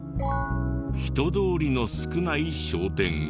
人通りの少ない商店街。